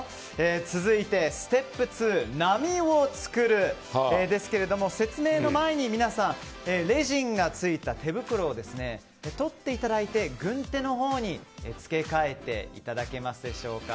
続いて、ステップ２波を作るですけれども説明の前に、皆さんレジンがついた手袋をとっていただいて軍手のほうに着け替えていただけますでしょうか。